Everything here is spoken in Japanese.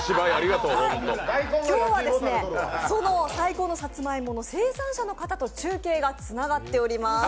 今日はその最高のさつまいもの生産者の方と中継がつながっています。